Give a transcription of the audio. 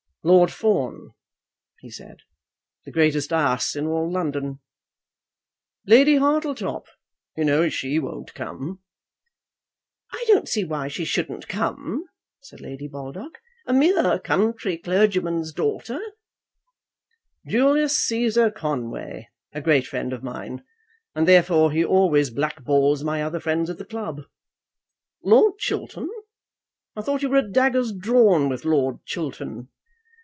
"Lord Fawn!" he said, "the greatest ass in all London! Lady Hartletop! you know she won't come." "I don't see why she shouldn't come," said Lady Baldock; "a mere country clergyman's daughter!" "Julius Cæsar Conway; a great friend of mine, and therefore he always blackballs my other friends at the club. Lord Chiltern; I thought you were at daggers drawn with Chiltern."